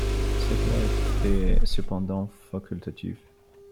Cette loi était cependant facultative.